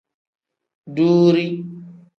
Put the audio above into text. Duuri.